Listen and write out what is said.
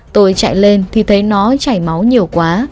tôi chạy lên thì thấy nó chảy máu nhiều quá